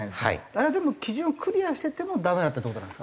あれはでも基準をクリアしててもダメだったって事なんですか？